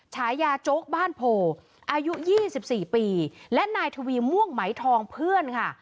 ฉายาโจ๊กบ้านโพอายุ๒๔ปีและนายทวีม่วงไหมทองเพื่อนค่ะ